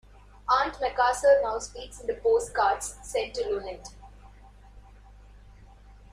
Auntie Macassar now speaks in the postcards sent to Loonette.